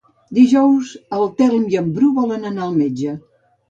Dijous en Telm i en Bru volen anar al metge.